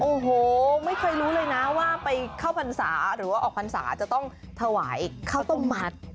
โอ้โหไม่เคยรู้เลยนะว่าไปเข้าพรรษาหรือว่าออกพรรษาจะต้องถวายข้าวต้มมัด